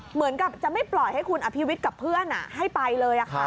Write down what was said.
เหมือนกับจะไม่ปล่อยให้คุณอภิวิตกับเพื่อนให้ไปเลย